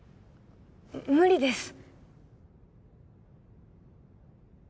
無理です。